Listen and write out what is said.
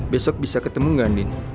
besok bisa ketemu gak din